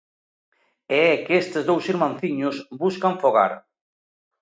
E é que estes dous irmanciños buscan fogar.